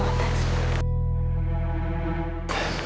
biasalah dia akan kembali ke hapus